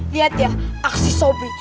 lihat ya taksi sobi